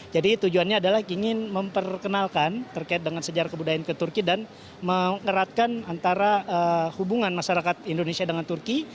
jadi tujuannya adalah ingin memperkenalkan terkait dengan sejarah kebudayaan ke turki dan mengeratkan antara hubungan masyarakat indonesia dengan turki